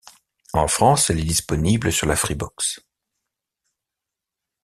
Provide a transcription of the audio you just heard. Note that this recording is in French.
En France elle est disponible sur la Freebox.